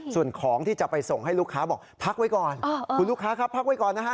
ส่วนของที่จะไปส่งให้ลูกค้าบอกพักไว้ก่อนคุณลูกค้าครับพักไว้ก่อนนะฮะ